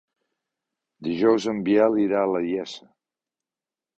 Dijous en Biel irà a la Iessa.